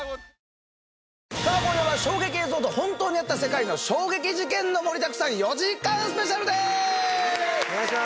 今夜は衝撃映像と本当にあった世界の衝撃事件の盛りだくさん４時間スペシャルです！